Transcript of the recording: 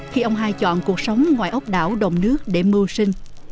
khi ông hai chọn cuộc sống ngoài ốc đảo đồng nước để mưu sinh